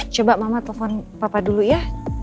coba mama telepon papa dulu ya